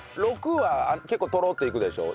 ６は結構トロッていくでしょ？